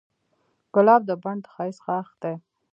ګلاب د بڼ د ښایست غاښ دی.